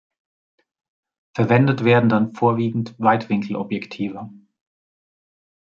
Verwendet werden dann vorwiegend Weitwinkelobjektive.